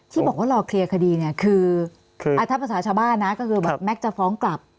ที่บอกว่ารอเคลียร์คดีเนี่ยคืออาทับประสาชาบ้านนะก็คือแม็กซ์จะฟ้องกลับ